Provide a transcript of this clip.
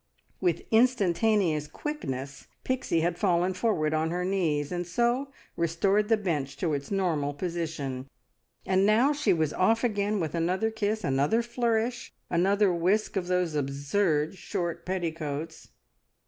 With instantaneous quickness Pixie had fallen forward on her knees, and so restored the bench to its normal position; and now she was off again with another kiss, another flourish, another whisk of those absurd short petticoats.